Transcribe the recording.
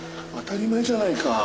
当たり前じゃないか。